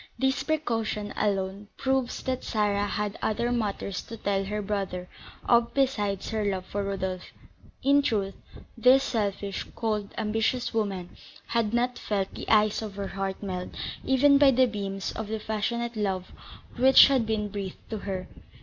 This precaution alone proves that Sarah had other matters to tell her brother of besides her love for Rodolph. In truth, this selfish, cold, ambitious woman had not felt the ice of her heart melt even by the beams of the passionate love which had been breathed to her.